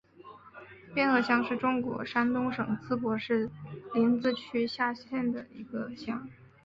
边河乡是中国山东省淄博市临淄区下辖的一个乡。